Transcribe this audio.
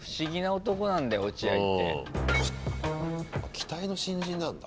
期待の新人なんだ。